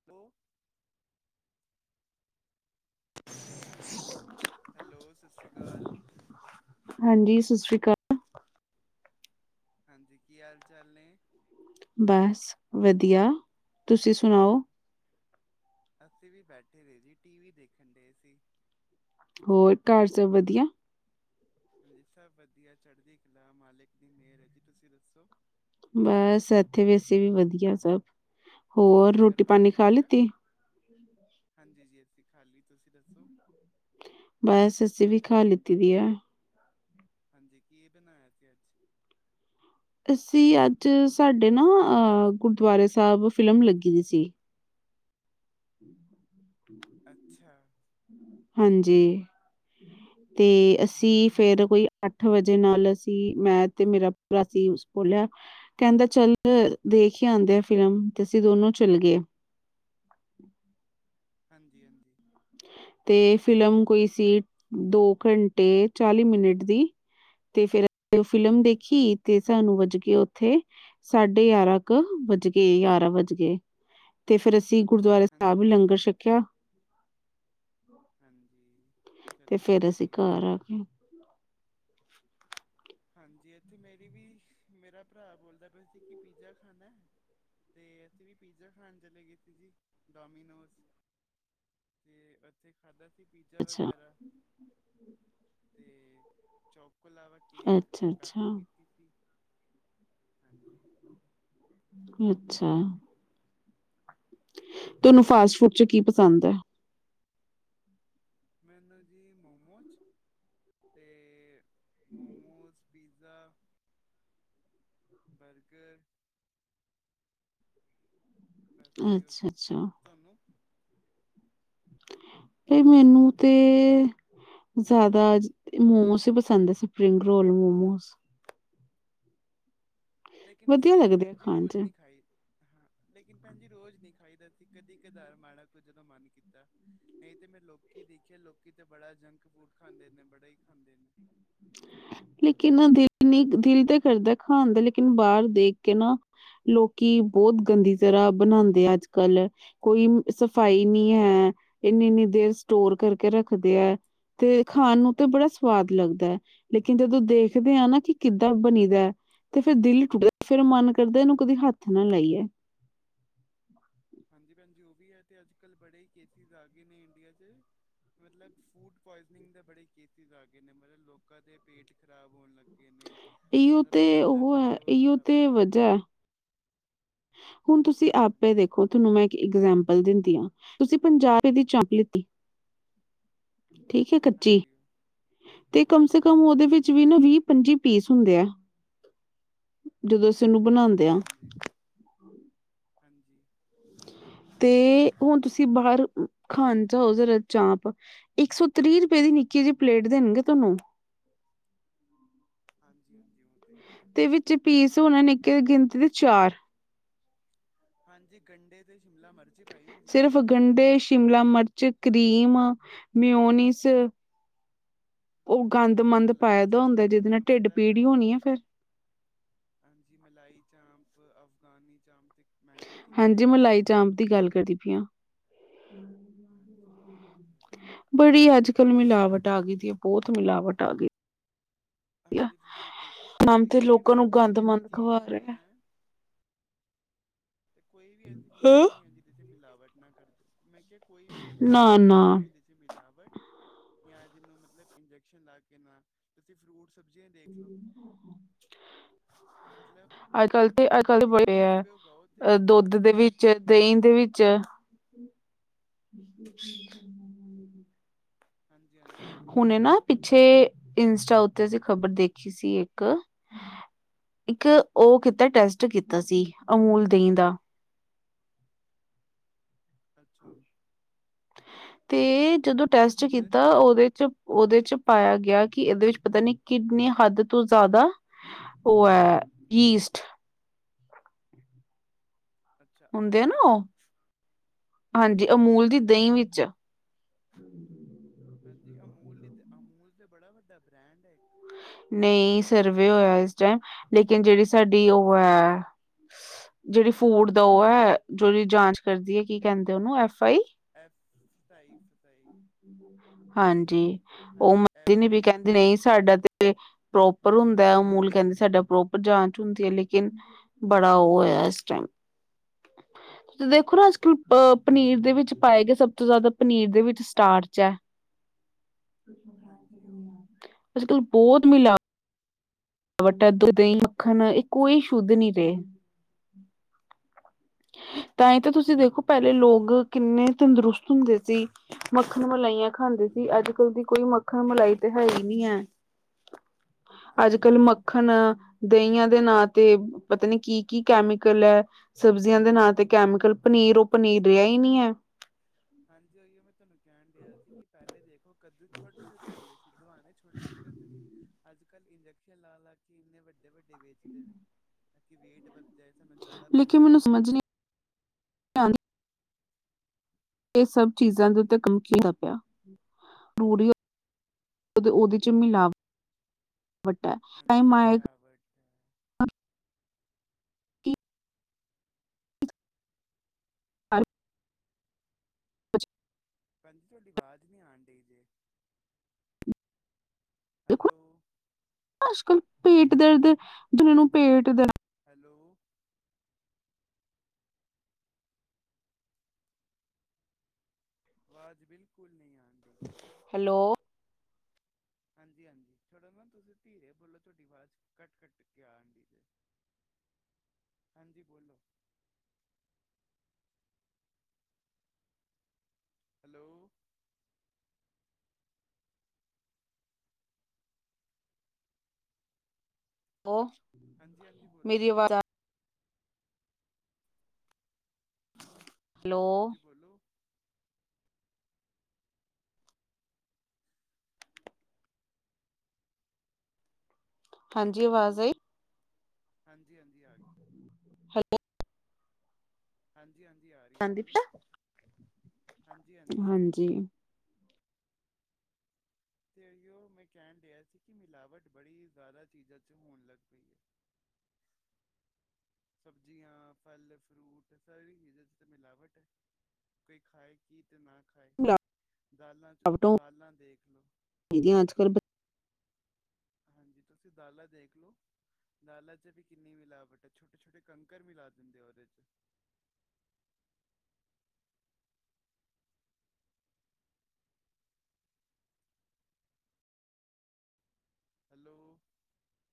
[unintelligible] [unintelligible] Hello. ਸਤਿ ਸ਼੍ਰੀ ਅਕਾਲ। ਹਾਂਜੀ ਸਤਿ ਸ੍ਰੀ ਅਕਾਲ। ਹਾਂਜੀ। ਕੀ ਹਾਲ ਚਾਲ ਨੇ। ਬੱਸ ਵਧੀਆ ਤੁਸੀਂ ਸੁਣਾਓ। ਅਸੀਂ ਵੀ ਬੈਠੇ ਹੋਏ ਜੀ ਟੀ ਵੀ ਦੇਖਣ ਡਏ ਸੀ। ਹੋਰ ਘਰ ਸਭ ਵਧੀਆ। ਹਾਂਜੀ ਸਭ ਵਧੀਆ, ਚੜ੍ਹਦੀ ਕਲਾ ਮਾਲਿਕ ਦੀ ਮਿਹਰ ਹੈ ਜੀ ਤੁਸੀਂ ਦੱਸੋ। ਬੱਸ, ਇੱਥੇ ਵੀ ਅਸੀ ਵਧੀਆ ਸਭ, ਹੋਰ ਲੰਗਰ ਰੋਟੀ ਪਾਣੀ ਹੋ ਖਾ ਗਿਆ ਲਿੱਤੀ। ਹਾਂਜੀ ਜੀ ਅਸੀਂ ਖਾ ਲਈ ਤੁਸੀਂ ਦੱਸੋ। ਬੱਸ ਅਸੀ ਵੀ ਖਾ ਲਿੱਤੀ ਦੀ ਵਾ। ਹਾਂਜੀ ਕੀ ਇਹ ਬਣਾਇਆ ਸੀ ਅੱਜ। ਅਸੀਂ ਅੱਜ ਸਾਡੇ ਨਾ ਗੁਰਦੁਆਰੇ ਸਾਹਿਬ ਫਿਲਮ ਲੱਗੀ ਦੀ ਸੀ। [inaudible] ਅੱਛਾ। ਹਾਂਜੀ। [inaudible] ਤੇ ਅਸੀਂ ਫੇਰ ਕੋਈ ਅੱਠ ਵਜੇ ਨਾਲ ਅਸੀਂ ਮੈਂ ਤੇ ਮੇਰਾ ਭਰਾ ਸੀ ਬੋਲਿਆ ਕਹਿੰਦਾ ਚੱਲ ਦੇਖ ਹੀ ਆਉਂਦੇ ਆ ਫਿਲਮ ਤੇ ਅਸੀਂ ਦੋਨੋਂ ਚੱਲ ਗਏ। ਹਾਂਜੀ ਹਾਂਜੀ। ਤੇ ਫਿਲਮ ਕੋਈ ਸੀ ਦੋ ਘੰਟੇ ਚਾਲੀ ਮਿੰਟ ਦੀ। ਤੇ ਫੇਰ ਉਹ ਫਿਲਮ ਹਾਂਜੀ ਹਾਂਜੀ ਦੇਖੀ। ਤੇ ਸਾਨੂੰ ਵੱਜ ਕੇ ਉੱਥੇ ਸਾਢੇ ਗਿਆਰਾਂ ਕੁ, ਵੱਜ ਗਏ ਗਿਆਾਰਾਂ ਵੱਜ ਗਏ। ਤੇ ਫੇਰ ਅਸੀ ਗੁਰਦੁਆਰੇ ਹਾਂਜੀ ਸਾਹਿਬ ਲੰਗਰ ਹਾਂਜੀ ਛਕਿਆ। ਹਾਂਜੀ ਤੇ ਚਲੋ ਜੀ ਫਿਰ ਵਧੀਆ। [unintelligible] ਹਾਂਜੀ ਏਥੇ ਮੇਰੀ ਵੀ ਮੇਰਾ ਭਰਾ ਬੋਲਦਾ ਪਿਆ ਸੀ ਕਿ ਪੀਜ਼ਾ ਖਾਣਾ ਐ। ਤੇ ਅਸੀ ਵੀ ਪੀਜ਼ਾ ਖਾਣ ਚਲੇ ਗਏ ਸੀ ਜੀ ਡੋਮੀਨੋਜ। [unintelligible] ਉਥੇ ਖਾਧਾ ਸੀ ਪੀਜ਼ਾ ਅੱਛਾ ਵਗੈਰਾ ਤੇ ਚੋਕੋ ਲਾਵਾ ਕੇਕ ਅੱਛਾ ਤੇ ਪੈਪਸੀ ਅੱਛਾ ਪੀਤੀ ਸੀ ਹਾਂਜੀ ਜੀ। ਅੱਛਾ। ਤੁਹਾਨੂੰ ਫਾਸਟ ਫੂਡ ਚ ਕੀ ਪਸੰਦ ਐ। ਮੈਨੂੰ ਜੀ ਮੋਮੋਜ਼ ਤੇ ਮੋਮੋਸ ਪੀਜ਼ਾ। ਬਰਗਰ ਬਸ ਇਓ ਅੱਛਾ ਜੀ ਅੱਛਾ ਤੁਹਾਨੂੰ। ਨੀ ਮੈਨੂੰ ਤੇ ਜ਼ਿਆਦਾ ਮੋਮੋਸ ਈ ਪਸੰਦ ਸਪਰਿੰਗ ਰੋਲ ਮੋਮੋਸ। ਲੇਕਿਨ ਵਧੀਆ ਅਸੀਂ ਲੱਗਦੇ ਆ ਭੈਣ ਜੀ ਖਾਣ ਚ ਰੋਜ਼ ਨਹੀ ਖਾਈ। ਹਾਂ ਲੇਕਿਨ ਭੈਣ ਜੀ ਰੋਜ਼ ਨਹੀਂ ਖਾਈਦਾ ਸੀ ਕਦੀ ਕਦਾਰ ਮਾੜਾ ਕੂ ਜਦੋਂ ਮਨ ਕੀਤਾ। ਨਹੀਂ ਤੇ ਮੈਂ ਲੋਕੀ ਦੇਖੇ, ਲੋਕੀ ਤਾਂ ਬੜਾ ਜੰਕ ਫੂਡ ਖਾਂਦੇ ਨੇ। ਬੜਾ ਹੀ ਖਾਂਦੇ ਨੇ। ਲੇਕਿਨ ਨ ਦਿਲ ਨੀ ਦਿਲ ਤਾਂ ਕਰਦਾ ਖਾਣ ਦਾ ਲੇਕਿਨ ਬਾਰ ਦੇਖ ਕੇ ਨਾ ਲੋਕੀ ਬੋਤ ਗੰਦੀ ਤਰ੍ਹਾਂ ਬਣਾਦੇ ਆ ਅੱਜ ਕੱਲ। ਕੋਈ ਸਫ਼ਾਈ ਨੀ ਹੈ, ਇੰਨੀ ਇਨੀ ਦੇਰ ਸਟੋਰ ਕਰਕੇ ਰੱਖਦੇ ਐ। ਤੇ ਖਾਣ ਨੂੰ ਤੇ ਬੜਾ ਸਵਾਦ ਲੱਗਦਾ ਐ। ਲੇਕਿਨ ਜਦੋਂ ਦੇਖਦੇ ਹਾਂ ਨਾ ਕਿ ਕਿੱਦਾਂ ਬਣੀ ਦਾ। ਤੇ ਫੇਰ ਦਿਲ ਟੁੱਟ ਫੇਰ ਮਨ ਕਰਦਾ ਏਹਨੂੰ ਕਦੀ ਹੱਥ ਨਾ ਲਾਈਏ। ਹਾਂਜੀ ਭੈਣਜੀ ਓ ਵੀ ਹੈ ਤੇ ਅੱਜ-ਕੱਲ੍ਹ ਬੜੇ ਕੇਸਿਸ ਆ ਗਏ ਨੇ ਇੰਡੀਆ ਚ। ਮਤਲਬ ਫੂਡ ਪੁਆਇਜ਼ਨਿੰਗ ਦੇ ਬੜੇ ਕੇਸਿਸ ਆ ਗਏ, ਨੇ ਮਤਲਬ ਲੋਕਾਂ ਦੇ ਪੇਟ ਖ਼ਰਾਬ ਹੋਣ ਲੱਗ ਨੇ ਇਹੀਓ ਓਹਨਾਂ ਦਾ ਤੇ ਮੈਦਾ ਉਹ ਹੈ ਕਮਜ਼ੋਰ ਇਹੀਓ ਹੁੰਦਾ ਤੇ ਪਿਆ ਐ। ਵਜ੍ਹਾ ਹੈ ਹੁਣ ਤੁਸੀ ਆਪੇ ਦੇਖੋ ਤੁਹਨੂੰ। ਮੈਂ ਇਕ ਇਗਜਾਮਪਲ ਦਿੰਦੀ ਆ ਤੁਸੀ ਪੰਜਾਹ ਰੁਪਏ ਦੀ ਚਾਪ ਲਿਤੀ। ਠੀਕ ਐ ਕੱਚੀ, ਹਾਂਜੀ ਤੇ ਕਮ ਸੇ ਕਮ ਓਹਦੇ ਵਿੱਚ ਹਾਂਜੀ ਵੀ ਨਾ ਵੀਹ ਪੰਜੀ ਪੀਸ ਹੁੰਦੇ ਆ, ਜਦੋਂ ਅਸੀ ਓਨੂੰ ਬਣਾਦੇ ਹਾਂਜੀ ਆਂ। ਹਾਂਜੀ ਹਾਂਜੀ। ਤੇ ਹੁਣ ਤੁਸੀ ਬਾਰ ਖਾਣ ਜਾਓ ਜਰਾ ਚਾਪ। ਇੱਕ ਸੌ ਤ੍ਰੀਹ ਰੁਪਏ ਦੀ ਨਿਚੀ ਜਿਹੀ ਪਲੇਟ ਦੇਣਗੇ ਤੁਹਾਨੂੰ। ਹਾਂਜੀ, ਹਾਂਜੀ ਹੋ। ਤੇ ਵਿੱਚ ਪੀਸ ਹੋਣੇ ਨਿੱਕੇ ਗਿਣਤੀ ਦੇ ਚਾਰ। ਹਾਂਜੀ ਗੰਡੇ ਤੇ ਸ਼ਿਮਲਾ ਮਰ ਸਿਰਫ਼ ਗੰਢੇ, ਸ਼ਿਮਲਾ ਮਿਰਚ, ਕਰੀਮ, ਮਿਓਨਿਸ। ਓ ਗੰਦ ਹਾਂਜੀ ਜੀ ਮੰਦ ਮਲਾਈ ਪਾਇਆ ਦਾ ਚਾਂਪ ਹੁੰਦਾ ਤੇ ਜਿਹਦੇ ਨਾਲ ਤੁਹਾਨੂੰ ਢਿੱਡ ਪਤਾ ਹੈ ਪੀੜ ਈ ਮਹਿੰਗੀ ਹੋਣੀ ਆ ਫੇਰ। ਵੇਚਦੇ ਹਾਂਜੀ ਮਲਾਈ ਚਾਂਪ ਅਫਗਾਨੀ ਚਾਂਪ ਤੇ ਮਹਿੰਗੀ ਕਿੰਨੀ ਵੇਚਦੇ ਆ ਓ। ਅਮ ਦੀ ਗੱਲ ਕਰਦੀ ਪੀਆਂ। ਹਾਂਜੀ। ਤੇ ਹੈ ਬੜੀ ਲੇਕਿਨ ਅੱਜ-ਕੱਲ੍ਹ ਮਿਲਾਵਟ ਆ ਗਈ ਦੀ ਆ, ਬੋਤ ਮਿਲਾਵਟ ਆ ਗੀ। ਹਾਂਜੀ, ਤੁਸੀ ਦੇਖੋ ਨਾਮ ਕਿਸੇ ਤੇ ਲੋਕਾਂ ਕੇੜੀ ਨੂੰ ਕੋਈ ਗੰਦ ਵੈਸੀ ਮੰਦ ਚੀਜ਼ ਖਵਾ ਨਈ ਰਿਹਾ ਹੈ ਤੇ ਕੋਈ ਵੀ ਐਸੀ ਹੀਜ਼ ਨੀ ਹੈ, ਜਿਹਦੇ ਚ ਮਿਲਾਵਟ ਨਾ ਕਰਦੇ ਮੈਂ ਕਿਹਾ ਕੋਈ ਵੀ ਐਸੀ ਚੀਜ਼ ਨਾ-ਨਾ ਨੀ ਹੈ ਜਿਹਦੇ ਚ ਮਿਲਾਵਟ, ਯਾਂ ਜਿਨੂੰ ਮਤਲਬ ਇੰਜੈਕਸ਼ਨ ਲਾ ਕੇ ਨਾ ਤੁਸੀ ਫਰੂਟ ਸਬਜ਼ੀਆਂ ਈ ਦੇਖ ਲਓ, ਮਤਲਬ। ਅੱਜ-ਕੱਲ ਤੇ ਅੱਜ-ਕੱਲ ਤੁਸੀਂ ਕਦੀ ਬੜੇ ਐ। ਆਪੇ ਉਗਾਓ ਤੇ ਆ ਦੁੱਧ ਦੇ ਵਿੱਚ ਦਹੀਂ ਦੇ ਵਿੱਚ ਹਾਂਜੀ ਹਾਂਜੀ ਉਹ ਵੀ ਹੈ ਹੁਣੇ ਨਾ ਪਿੱਛੇ ਇੰਸਟਾ ਉੱਤੇ ਅਸੀਂ ਖ਼ਬਰ ਦੇਖੀ ਸੀ ਇੱਕ ਇੱਕ ਉਹ ਕੀਤਾ ਟੈਸਟ ਕੀਤਾ ਸੀ, ਅਮੂਲ ਦਹੀਂ ਦਾ। ਅੱਛਾ, ਤੇ ਜਦੋਂ ਟੈਸਟ ਫਿਰ ਕੀਤਾ ਓਦੇ ਚ ਉਹਦੇ ਚ ਪਾਇਆ ਗਿਆ, ਕਿ ਇਹਦੇ ਵਿੱਚ ਪਤਾ ਨੀ ਕਿਤਨੀ ਹੱਦ ਤੋਂ ਜ਼ਿਆਦਾ, ਉਹ ਹੈ ਈਸਟ ਅੱਛਾ ਹੁੰਦੇ ਆ ਅਮੂਲ ਚ ਨਾ ਉਹ ਹਾਂਜੀ, ਅਮੂਲ ਦੀ ਹਾਂਜੀ ਦਹੀਂ ਵਿੱਚ ਹਾਂਜੀ ਭੈਣਜੀ ਅਮੂਲ ਦੀ ਅਮੂਲ ਤੇ ਬੜਾ ਵੱਡਾ ਬ੍ਰੈਂਡ ਹੈ। ਨਹੀਂ ਸਰਵੇ ਹੋਇਆ, ਇਸ ਟਾਈਮ ਲੇਕਿਨ ਜਿਹੜੀ ਸਾਡੀ ਉਹ ਹੈ। ਜਿਹੜੀ ਫੂਡ ਦਾ ਉਹ ਹੈ, ਸੋ ਇਹਦੀ ਜਾਂਚ ਕਰਦੀ ਹੈ ਕੀ ਕਹਿੰਦੇ ਉਹਨੂੰ ਐਫ ਆਈ ਐਫ਼ ਫਸਾਈ ਫਸਾਈ ਹਾਂਜੀ, ਉਹ ਹਾਂਜੀ ਮੰਨਦੀ ਨੀ ਐਫ ਵੀ ਏ ਕਹਿੰਦੀ ਡਬਲ ਨਹੀਂ ਸੀ ਆਈ ਸਾਡਾ ਤੇ। ਪ੍ਰੋਪਰ ਹੁੰਦਾ ਅਮੂਲ ਕਹਿੰਦੇ ਸਾਡਾ ਪ੍ਰੋਪਰ ਜਾਂਚ ਹੁੰਦੀ ਹੈ ਲੇਕਿਨ ਬੜਾ ਉਹ ਹੋਇਆ ਇਸ ਟਾਈਮ ਦੇਖੋ ਨਾ ਅੱਜ-ਕੱਲ ਅਹ ਪਨੀਂਰ ਦੇ ਵਿੱਚ ਪਾਏ ਗਏ, ਸਭ ਤੋਂ ਜ਼ਿਆਦਾ ਪਨੀਂਰ ਦੇ ਵਿੱਚ ਟਾਰਚ ਐ, ਹਾਂਜੀ ਉਹ ਅਜ-ਕਲ ਬੋਤ ਮਿਲਾ ਵਡਾ ਧ, ਦਹੀਂ, ਮੱਖਣ ਏਹ ਕੋਈ ਸ਼ੁੱਧ ਨੀ ਰਹੇ। ਤਾਂ ਹੀ ਤਾਂ ਤੁਸੀ ਹਾਂਜੀ ਉਹ ਦੇਖੋ, ਤੇ ਹੈ ਪਹਿਲੇ ਤੇ ਲੋਕ ਕਿੰਨੇ ਤੰਦਰੁਸਤ ਹੁੰਦੇ ਸੀ। ਮੱਖਣ ਮਲਾਈਆਂ ਖਾਂਦੇ ਸੀ, ਅੱਜ-ਕੱਲ੍ਹ ਦੀ ਕੋਈ ਮੱਖਣ ਮਲਾਈ ਤੇ ਹੈ ਈ ਨੀ ਐ। [inaudible] ਅੱਜ ਹਾਂਜੀ ਕੱਲ ਹਾਂਜੀ ਮੱਖਣ ਦਹੀਆਂ ਦੇ ਨਾਂ ਤੇ ਪਤਾ ਨੀ ਕੀ ਕੀ ਕੈਮੀਕਲ ਹੈ। ਸਬਜ਼ੀਆਂ ਦੇ ਨਾਂ ਤੇ ਕੈਮੀਕਲ, ਪਨੀਰ ਉਹ ਪਨੀਰ ਰਿਹਾ ਹੀ ਨਹੀਂ ਹੈ। ਹਾਂਜੀ ਓਹੀ ਓ ਮੈਂ ਤੁਹਾਨੂੰ ਕਹਿਣ ਡਿਆ ਸੀ ਕਿ ਪਹਿਲੇ ਦੇਖੋ ਕੱਦੂ ਛੋਟੇ ਛੋਟੇ ਹੁੰਦੇ ਸੀ। ਦਵਾਣੇ ਛੋਟੇ ਛੋਟੇ ਹੁੰਦੇ ਸੀ। ਅੱਜ ਕੱਲ੍ਹ ਇੰਜੈਕਸ਼ਨ ਲਾ ਲਾ ਕੇ ਇੰਨੇ ਵੱਡੇ ਵੱਡੇ ਵੇਚਦੇ ਨੇ ਤਾਂਕਿ ਵੇਟ ਵਧੇ ਜਾ ਸਾਨੂੰ ਜ਼ਿਆਦਾ ਲੇਕਿਨ ਪੈਸਾ ਮੈਨੂੰ ਮਿਲੇ। ਸਮਝ ਨਹੀਂ ਆਉਂਦੀ ਇਹ ਸਭ ਚੀਜ਼ਾਂ ਦੇ ਹਾਂਜੀ ਉੱਤੇ ਕੰਮ ਪਿਆ ਰੂਰੀ ਉਹਦੇ ਚ ਹਾਂਜੀ ਮਿਲਾਵਟ [unintelligible] [unintelligible] ਕਿ [unintelligible] ਭੈਣ ਜੀ ਤੁਹਾਡੀ ਆਵਾਜ਼ ਨੀ ਆਉਣ ਡਈ ਜੇ। ਦੇਖੋ ਹੈਲੋ ਅੱਜ ਕੱਲ ਪੇਟ ਦਰਦ ਜਿਨਾਂ ਨੂੰ ਪੇਟ ਦਰਦ ਹੈਲੋ ਆਵਾਜ਼ ਬਿਲਕੁੱਲ ਨਹੀਂ ਆਂਣ ਡਈ ਜੇ। ਹੈਲੋ ਹਾਂਜੀ ਹਾਂਜੀ ਥੋੜਾ ਨਾ ਤੁਸੀਂ ਧੀਰੇ ਬੋਲੋ ਤੁਹਾਡੀ ਆਵਾਜ਼ ਕੱਟ ਕੱਟ ਕੇ ਆਂਣ ਡੀ ਜੇ। ਹਾਂਜੀ ਬੋਲੋ। ਹੈਲੋ। ਉਹ ਹਾਂਜੀ ਹਾਂਜੀ ਬੋਲੋ। ਹੈਲੋ ਹਾਂਜੀ ਬੋਲੋ। ਹਾਂਜੀ ਆਵਾਜ਼ ਆਈ। ਹਾਂਜੀ ਹਾਂਜੀ ਆ ਗਈ। ਹੈਲੋ। ਹਾਂਜੀ ਹਾਂਜੀ ਆ ਰਹੀ। ਹੈ ਬੋਲੋ [unintelligible] ਹਾਂਜੀ ਹਾਂਜੀ। ਜੀ ਤੇ ਏਹੀ ਓ ਮੈਂ ਕਹਿਣ ਡਿਆ ਸੀ ਕਿ ਮਿਲਾਵਟ ਬੜੀ ਜ਼ਿਆਦਾ ਚੀਜ਼ਾਂ ਚ ਹੋਣ ਲੱਗ ਪਈ ਹੈ। ਸਬਜ਼ੀਆਂ, ਫਲ ਫਰੂਟ, ਸਾਰੀ ਚੀਜ਼ਾਂ ਚ ਤਾਂ ਮਿਲਾਵਟ ਹੈ ਕੋਈ ਖਾਏ ਕੀ ਤੇ ਨਾ ਖਾਏ ਦਾਲਾਂ ਚ ਦਾਲਾਂ ਦੇਖ ਲੋ। ਦੀਦੀ ਅੱਜ ਕੱਲ ਬਚੇ ਹਾਂਜੀ ਤੁਸੀਂ ਦਾਲਾ ਦੇਖ ਲੋ। ਦਾਲਾਂ ਚ ਵੀ ਕਿੰਨੀ ਮਿਲਾਵਟ ਹੈ ਛੋਟੇ ਛੋਟੇ ਕੰਕਰ ਮਿਲਾ ਦਿੰਦੇ ਆ ਉਹਦੇ ਚ। ਹੈਲੋ।